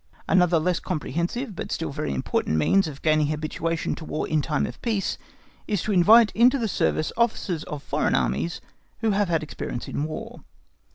Another less comprehensive but still very important means of gaining habituation to War in time of peace is to invite into the service officers of foreign armies who have had experience in War.